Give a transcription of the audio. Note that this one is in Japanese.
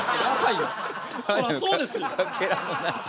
そらそうですよ。